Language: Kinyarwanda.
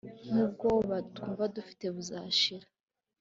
Nkubwoba twumva dufite buzashira